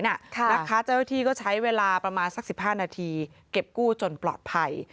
เจ้าหน้าที่ก็ใช้เวลาประมาณสัก๑๕นาทีเก็บกู้จนปลอดภัย